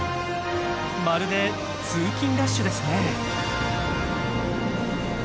まるで「通勤ラッシュ」ですね。